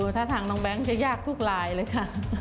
ถ้าทางน้องแบงค์จะยากทุกลายเลยค่ะ